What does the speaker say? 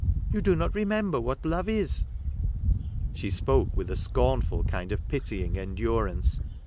You do not remember what love is." She spoke with a scornful kind of pitying endurance.